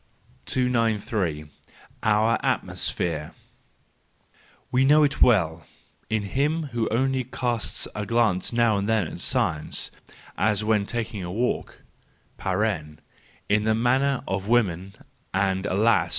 " 293 . Our Atmosphere .—We know it well: to him who only casts a glance now and then at science, as in taking a walk (in the manner of women, and alas!